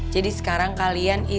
jadi sekarang kalian istimewa